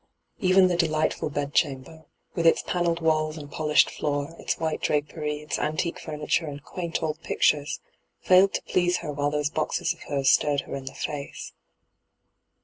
Even the delightful bedchamber, witti its panelled walls and polished floor, its white drapery, its antique fomiture and quaint old pictures, failed to please her while those boxes of hers stared her in the &ce.